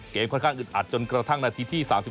ค่อนข้างอึดอัดจนกระทั่งนาทีที่๓๔